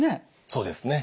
そうですね。